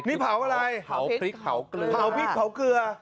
นี่เผาอะไรเผาพริกเผาเกลือ